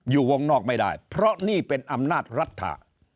อยู่วงนอกไม่ได้เพราะนี่เป็นอำนาจรัฐ